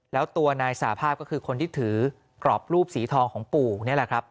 แล้วตัวนายสาภาพก็คือคนที่ถือกรอบรูปสีทองของปู่นี่แหละครับ